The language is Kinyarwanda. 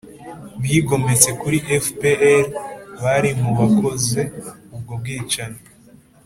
bigometse kuri fpr bari mu bakoze ubwo bwicanyi,